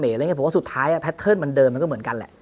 เพราะว่าสุดท้ายเป็นเดิมก็เหมือนกัน